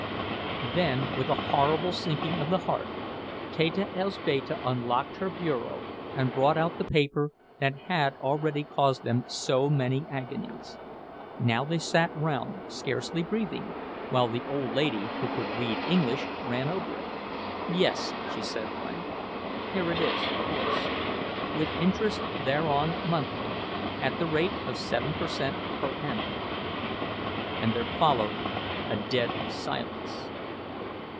Then, with a horrible sinking of the heart, Teta Elzbieta unlocked her bureau and brought out the paper that had already caused them so many agonies. Now they sat round, scarcely breathing, while the old lady, who could read English, ran over it. "Yes," she said, finally, "here it is, of course: 'With interest thereon monthly, at the rate of seven per cent per annum.'" And there followed a dead silence.